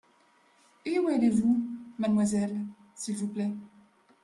Et où allez-vous, mademoiselle, s’il vous plaît ?